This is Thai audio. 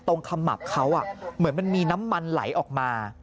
ขมับเขาเหมือนมันมีน้ำมันไหลออกมา